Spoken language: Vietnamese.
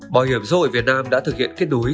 bảo hiểm dội việt nam đã thực hiện kết đối